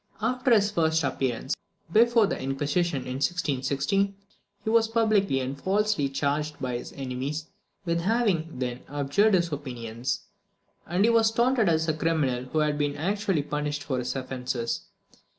After his first appearance before the Inquisition in 1616, he was publicly and falsely charged by his enemies with having then abjured his opinions; and he was taunted as a criminal who had been actually punished for his offences.